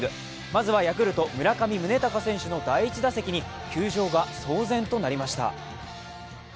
まずはヤクルト村上宗隆選手の第１打席に球場が騒然となりました。